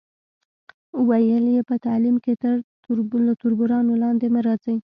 ویل یې، په تعلیم کې له تربورانو لاندې مه راځئ.